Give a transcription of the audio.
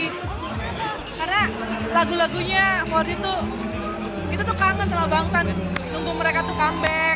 karena lagu lagunya empat d tuh itu tuh kangen sama bangtan